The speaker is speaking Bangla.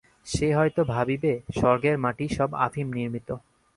সে হয়তো ভাবিবে, স্বর্গের মাটি সব আফিম-নির্মিত।